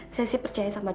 saya sih percaya sama dokter